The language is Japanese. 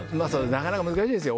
なかなか難しいですよ。